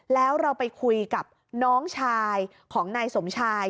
แล้วเราไปคุยกับน้องชายของนายสมชาย